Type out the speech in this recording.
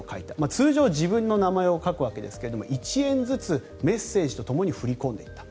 通常、自分の名前を書くわけですが１円ずつメッセージとともに振り込んでいた。